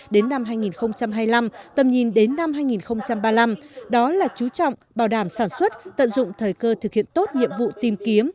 đến năm hai nghìn hai mươi năm tầm nhìn đến năm hai nghìn ba mươi năm đó là chú trọng bảo đảm sản xuất tận dụng thời cơ thực hiện tốt nhiệm vụ tìm kiếm